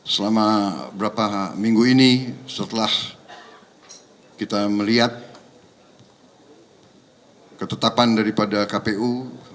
selama berapa minggu ini setelah kita melihat ketetapan daripada kpu